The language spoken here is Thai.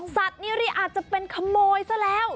สัตว์นี่อาจจะเป็นขโมยซะแล้ว